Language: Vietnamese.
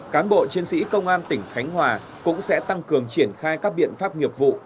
cán bộ chiến sĩ công an tỉnh khánh hòa cũng sẽ tăng cường triển khai các biện pháp nghiệp vụ